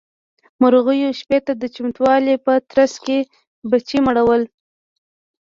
مرغيو شپې ته د چمتووالي په ترڅ کې بچي مړول.